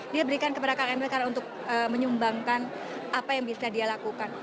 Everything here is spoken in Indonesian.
dia berikan kepada kang emil karena untuk menyumbangkan apa yang bisa dia lakukan